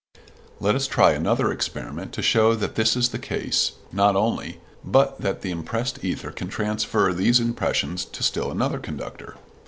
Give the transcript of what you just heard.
] Let us try another experiment to show that this is the case, not only, but that the impressed ether can transfer these impressions to still another conductor.